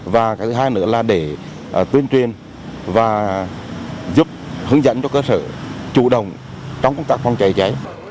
và cái thứ hai nữa là để tuyên truyền và giúp hướng dẫn cho cơ sở chủ động trong công tác phòng cháy cháy